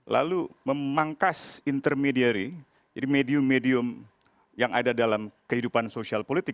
lalu memangkas intermediary jadi medium medium yang ada dalam kehidupan sosial politik